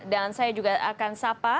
dan saya juga akan sapa